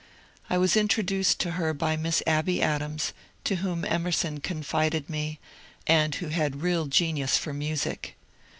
I was introduced to her by Miss Abby Adams, to whom Emerson confided me, and who had real genius for music.